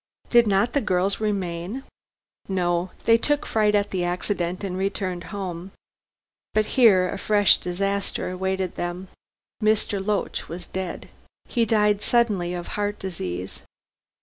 "Did not the girls remain?" "No. They took fright at the accident and returned home. But here a fresh disaster awaited them. Mr. Loach was dead. He died suddenly of heart disease.